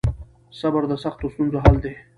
صبر د سختو ستونزو حل دی.